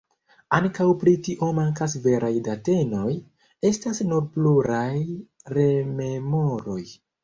Ankaŭ pri tio mankas veraj datenoj, estas nur pluraj rememoroj.